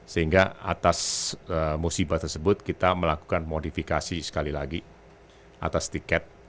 sehingga atas musibah tersebut kita melakukan modifikasi sekali lagi atas tiket